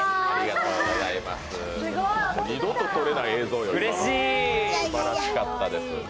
二度と撮れない映像よすばらしかったです。